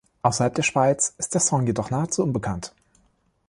Ausserhalb der Schweiz ist der Song jedoch nahezu unbekannt.